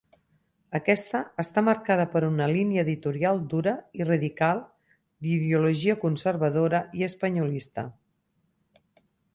Aquesta està marcada per una línia editorial dura i radical d'ideologia conservadora i espanyolista.